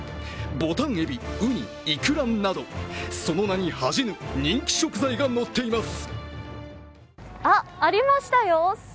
ボタンエビ、ウニ、イクラなどその名に恥じぬ人気食材がのっています。